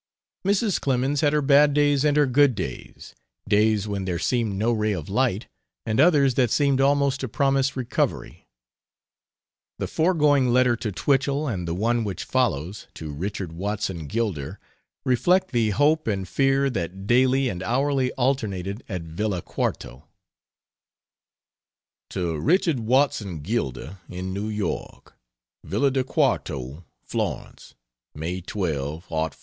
Mrs. Clemens had her bad days and her good days days when there seemed no ray of light, and others that seemed almost to promise recovery. The foregoing letter to Twichell, and the one which follows, to Richard Watson Gilder, reflect the hope and fear that daily and hourly alternated at Villa Quarto To Richard Watson Gilder, in New York: VILLA DI QUARTO, FLORENCE, May 12, '04.